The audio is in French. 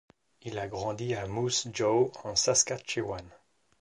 Il a grandi à Moose Jaw en Saskatchewan.